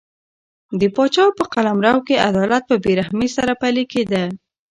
د پاچا په قلمرو کې عدالت په بې رحمۍ سره پلی کېده.